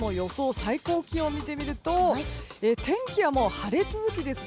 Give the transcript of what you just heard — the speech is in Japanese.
最高気温を見てみると天気はもう晴れ続きですね。